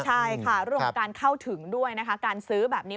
ใช่ค่ะร่วมการเข้าถึงด้วยการซื้อแบบนี้